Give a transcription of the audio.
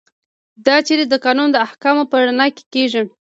دا چارې د قانون د احکامو په رڼا کې کیږي.